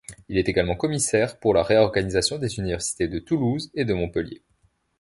Il est également commissaire pour la réorganisation des universités de Toulouse et de Montpellier.